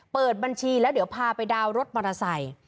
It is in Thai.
เปิดบัญชีแล้วเดี๋ยวพาไปดาวน์รถมอเตอร์ไซค์